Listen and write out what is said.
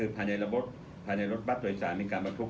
ภาในรถบัตรโดยสารมีการประทุกข์